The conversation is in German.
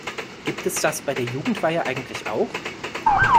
Gibt es das bei der Jugendweihe eigentlich auch?